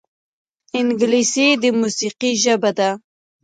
انګلیسي د موسیقۍ ژبه ده